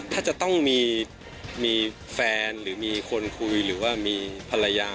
ถ้าจะต้องมีแฟนหรือมีคนคุยหรือว่ามีภรรยา